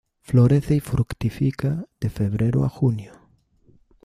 Florece y fructifica de febrero a junio.